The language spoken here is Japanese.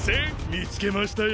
見つけましたよ！